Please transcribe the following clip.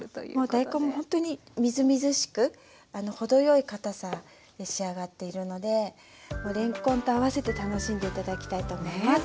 大根もほんとにみずみずしく程よいかたさに仕上がっているのでれんこんとあわせて楽しんで頂きたいと思います。